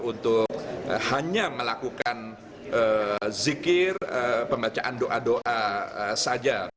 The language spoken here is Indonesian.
untuk hanya melakukan zikir pembacaan doa doa saja